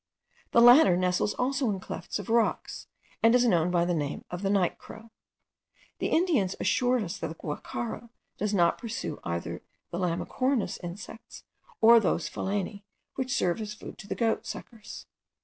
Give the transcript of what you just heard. The latter nestles also in clefts of rocks, and is known by the name of the night crow. The Indians assured us that the guacharo does not pursue either the lamellicornous insects or those phalaenae which serve as food to the goatsuckers.